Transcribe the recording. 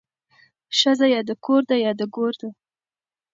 ښځه يا د کور ده يا د ګور ده